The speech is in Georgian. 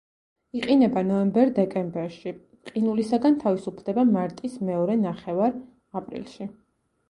იყინება ნოემბერ–დეკემბერში; ყინულისაგან თავისუფლდება მარტის მეორე ნახევარ–აპრილში.